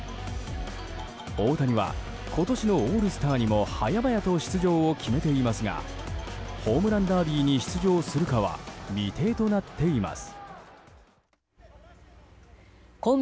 大谷は今年のオールスターにも早々と出場を決めていますがホームランダービーに出場するかは未定となっています。